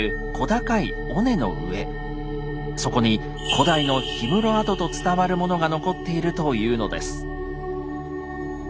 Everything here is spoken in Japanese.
そこに古代の氷室跡と伝わるものが残っているというのです。